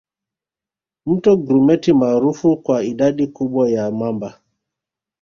Mto Grumeti maarufu kwa idadi kubwa ya mamba